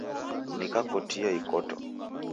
Nikakotia ikoto